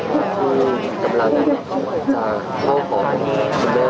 ขอรับสำคัญครับ